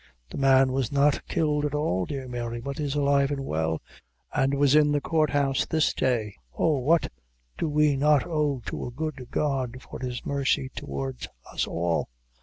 The man was not killed at all, dear Mary, but is alive and well, and was in the court house this day. Oh! what do we not owe to a good God for His mercy towards us all?